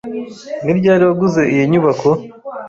Ni ryari waguze iyi nyubako?